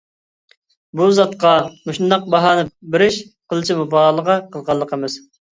بۇ زاتقا مۇشۇنداق باھا بېرىش قىلچە مۇبالىغە قىلغانلىق ئەمەس.